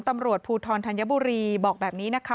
ตำรวจภูทรธัญบุรีบอกแบบนี้นะคะ